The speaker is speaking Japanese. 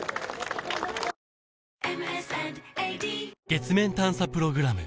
月面探査プログラム